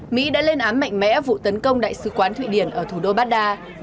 mỹ đã lên án mạnh mẽ vụ tấn công đại sứ quán thụy điển ở thủ đô baghdad